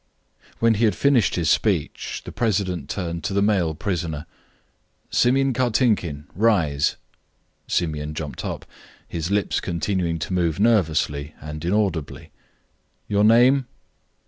When he had finished his speech, the president turned to the male prisoner. "Simeon Kartinkin, rise." Simeon jumped up, his lips continuing to move nervously and inaudibly. "Your name?"